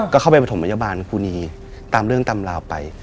ก็เข้าไปพังธวิบาลคู่นี้ตามเรื่องตามราวไป